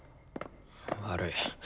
悪い。